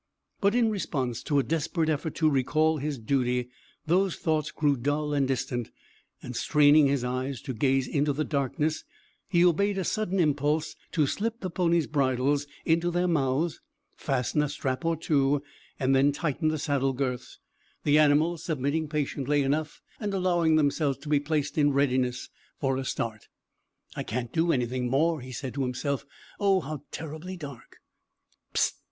But in response to a desperate effort to recall his duty those thoughts grew dull and distant, and straining his eyes to gaze into the darkness he obeyed a sudden impulse to slip the ponies' bridles into their mouths, fasten a strap or two, and then tighten the saddle girths, the animals submitting patiently enough, and allowing themselves to be placed in readiness for a start. "I can't do anything more," he said to himself. "Oh, how terribly dark!"